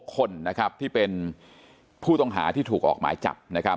๖คนที่เป็นผู้ต้องหาที่ถูกออกหมายจับ